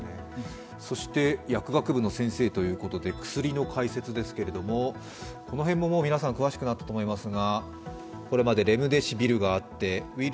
そして薬学部の先生ということで、薬の解説ですけれども、この辺も皆さん、詳しくなったと思いますが。